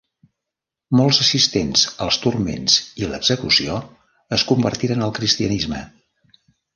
Molts assistents als turments i l'execució es convertiren al cristianisme.